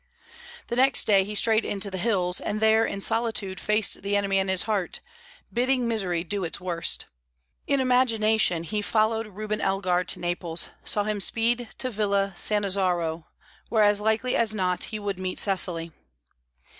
The next day he strayed into the hills, and there in solitude faced the enemy in his heart, bidding misery do its worst. In imagination he followed Reuben Elgar to Naples, saw him speed to Villa Sannazaro, where as likely as not he would meet Cecily.